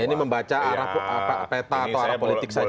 ini membaca arah peta atau arah politik saja